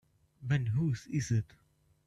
Then whose is it?